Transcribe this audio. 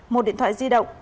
một điện thoại di động